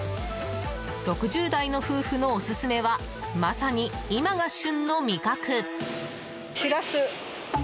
６０代の夫婦のオススメはまさに今が旬の味覚。